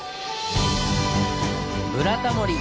「ブラタモリ」！